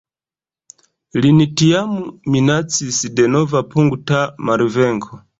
Lin tiam minacis denova punkta malvenko.